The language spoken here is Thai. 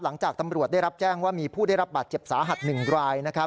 หลังจากตำรวจได้รับแจ้งว่ามีผู้ได้รับบาดเจ็บสาหัส๑ราย